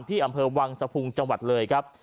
ที่อำเภอวังสภูมิจังหวัดเลยครับ